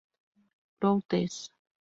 Growth Des.